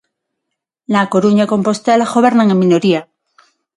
Na Coruña e Compostela gobernan en minoría.